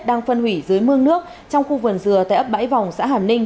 đang phân hủy dưới mương nước trong khu vườn dừa tại ấp bãi vòng xã hàm ninh